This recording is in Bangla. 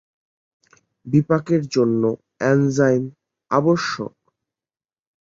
বিপাকের জন্য এনজাইম আবশ্যক।